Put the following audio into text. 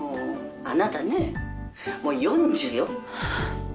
☎あなたねもう４０よ